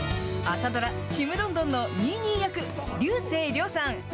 朝ドラ、ちむどんどんのニーニー役、竜星涼さん。